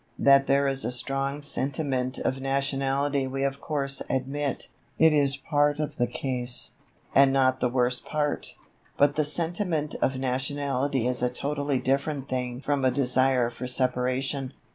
That there is a strong sentiment of nationality we of course admit; it is part of the case, and not the worst part. But the sentiment of nationality is a totally different thing from a desire for Separation.